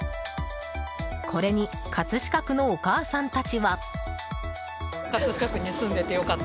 これに葛飾区のお母さんたちは。